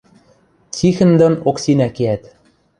Тихӹн дон Оксинӓ кеӓт.